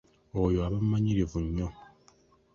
Oyo aba mumanyirivu nnyo.